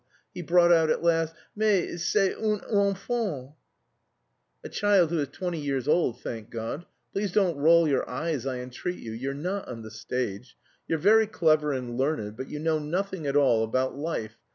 He brought out at last, "Mais, c'est une enfant!" "A child who is twenty years old, thank God. Please don't roll your eyes, I entreat you, you're not on the stage. You're very clever and learned, but you know nothing at all about life.